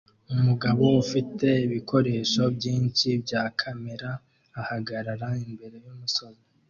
Umugabo ufite ibikoresho byinshi bya kamera ahagarara imbere yumusozi